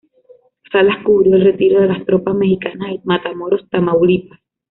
Salas cubrió el retiro de las tropas mexicanas de Matamoros, Tamaulipas.